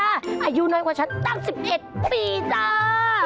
อายุน้อยกว่าฉันตั้ง๑๗ปีจ้า